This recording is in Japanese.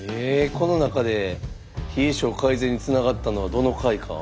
この中で冷え症改善につながったのはどの回か？